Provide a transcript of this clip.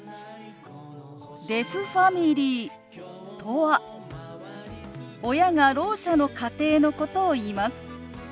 デフファミリーとは親がろう者の家庭のことをいいます。